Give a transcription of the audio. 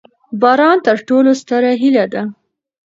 باران تر ټولو ستره هیله ده.